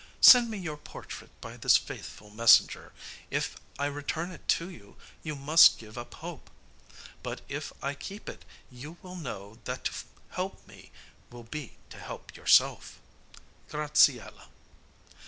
Send me your portrait by this faithful messenger. If I return it to you, you must give up hope; but if I keep it you will know that to help me will be to help yourself. GRAZIELA.